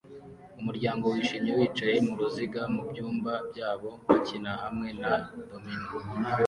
Umuryango wishimye wicaye muruziga mubyumba byabo bakina hamwe na domino